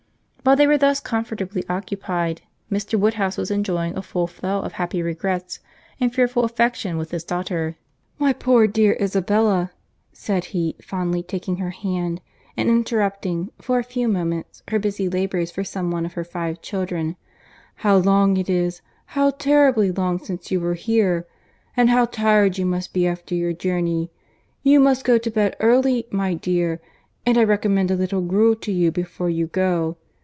While they were thus comfortably occupied, Mr. Woodhouse was enjoying a full flow of happy regrets and fearful affection with his daughter. "My poor dear Isabella," said he, fondly taking her hand, and interrupting, for a few moments, her busy labours for some one of her five children—"How long it is, how terribly long since you were here! And how tired you must be after your journey! You must go to bed early, my dear—and I recommend a little gruel to you before you go.